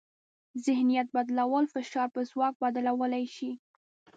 ذهنیت بدلول فشار په ځواک بدلولی شي.